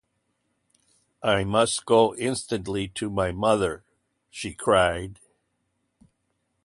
I must go instantly to my mother, she cried.